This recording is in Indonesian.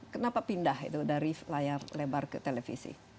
kenapa pindah itu dari layar lebar ke televisi